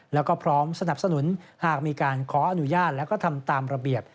แล้วก็พร้อมสนับสนุนหากมีการขออนุญาตและก็ทำตามระเบียบ